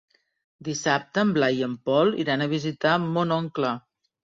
Dissabte en Blai i en Pol iran a visitar mon oncle.